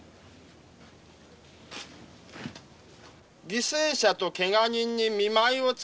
犠牲者とけが人に見舞いをつかわせ。